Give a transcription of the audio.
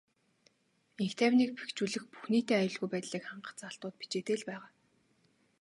Энх тайвныг бэхжүүлэх, бүх нийтийн аюулгүй байдлыг хангах заалтууд бичээтэй л байгаа.